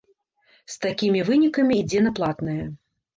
З такімі вынікамі ідзе на платнае.